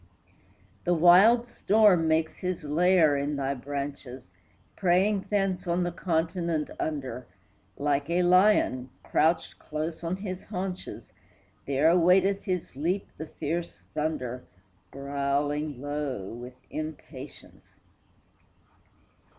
The wild storm makes his lair in thy branches, Preying thence on the continent under; Like a lion, crouched close on his haunches, There awaiteth his leap the fierce thunder, Growling low with impatience.